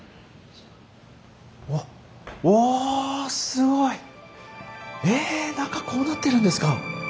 うわっうわすごい！え中こうなってるんですか！